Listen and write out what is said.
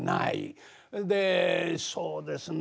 でそうですね